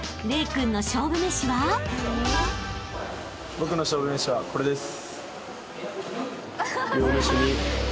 僕の勝負めしはこれです。